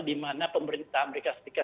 dimana pemerintah amerika serikat